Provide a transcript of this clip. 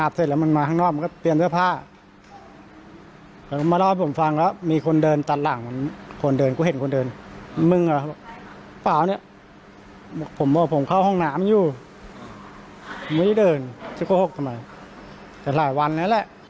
จะโกหกทำไมแต่หลายวันแล้วแหละ